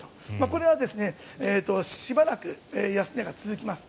これはしばらく安値が続きます。